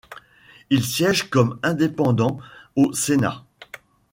Il siège comme indépendant au Sénat.